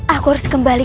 aku harus kembali